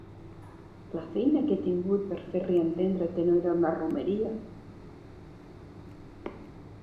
La feina que he tingut per fer-li entendre que no era una romeria!